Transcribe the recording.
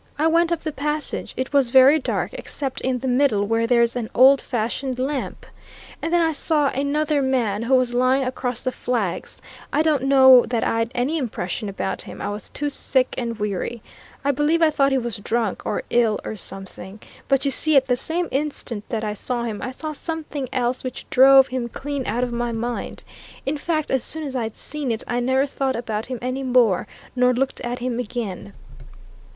"I went up the passage. It was very dark, except in the middle, where there's an old fashioned lamp. And then I saw another man, who was lying across the flags. I don't know that I'd any impression about him I was too sick and weary. I believe I thought he was drunk, or ill or something. But you see, at the same instant that I saw him, I saw something else which drove him clean out of my mind. In fact, as soon as I'd seen it, I never thought about him any more, nor looked at him again."